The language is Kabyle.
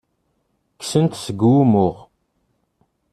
Kksen-t seg wumuɣ.